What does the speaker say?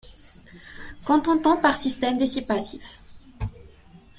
Qu'entend-t-on par système dissipatif?